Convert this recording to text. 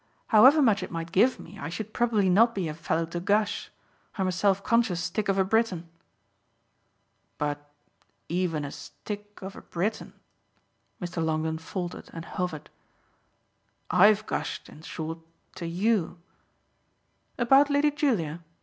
"However much it might give me I should probably not be a fellow to gush. I'm a self conscious stick of a Briton." "But even a stick of a Briton !" Mr. Longdon faltered and hovered. "I've gushed in short to YOU." "About Lady Julia?"